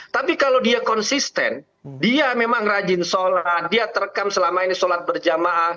tapi kalau dia konsisten dia memang rajin sholat dia terekam selama ini sholat berjamaah